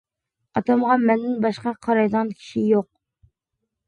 ئاتامغا مەندىن باشقا قارايدىغان كىشى يوق.